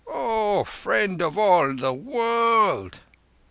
"O Friend of all the World!"